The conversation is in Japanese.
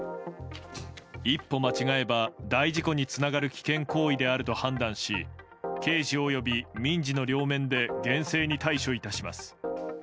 一歩間違えば大事故につながる危険行為であると判断し、刑事および民事の両面で厳正に対処いたします。